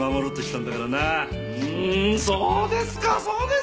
うーんそうですかそうですか。